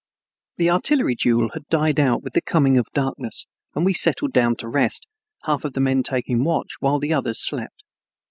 II The artillery duel died out with the coming of darkness and we settled down to rest, half of the men taking watch while the others slept.